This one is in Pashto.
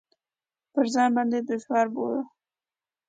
پر ځان باندې دشوار بولو.